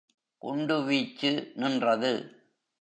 குண்டு வீச்சு நின்றது.